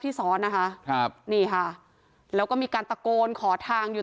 ซ้อนนะคะครับนี่ค่ะแล้วก็มีการตะโกนขอทางอยู่